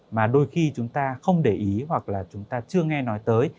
mà đôi khi chúng ta không để ý hoặc là chúng ta chưa nghe nói tới